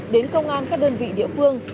đến công an các đơn vị địa phương